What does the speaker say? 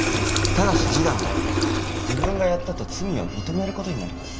ただし示談は自分がやったと罪を認めることになります